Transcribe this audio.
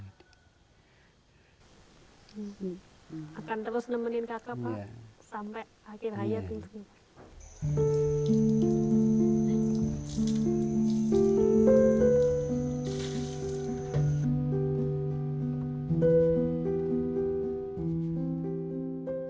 akan terus nemenin kakak pak sampai akhir hayat